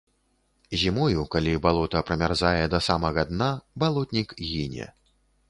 Зімою, калі балота прамярзае да самага дна, балотнік гіне.